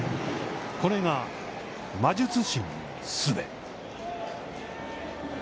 これが魔術師のすべ。